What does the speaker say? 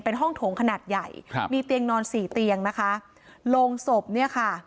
เป็นห้องโถงขนาดใหญ่ครับมีเตียงนอนสี่เตียงนะคะโรงศพเนี่ยค่ะ